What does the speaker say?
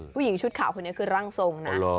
ผู้หญิงชุดขาวคนนี้คือร่างทรงนะ